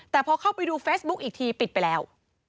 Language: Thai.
แต่พอเข้าไปดูเฟซบุ๊กอีกทีปิดไปแล้ว